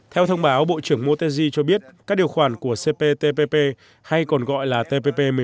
theo thông báo bộ trưởng motegi cho biết các điều khoản của cptpp hay còn gọi là tpp một mươi một